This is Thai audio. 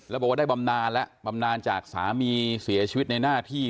แล้วบอกว่าได้บำนานแล้วบำนานจากสามีเสียชีวิตในหน้าที่